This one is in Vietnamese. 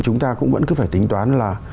chúng ta cũng vẫn cứ phải tính toán là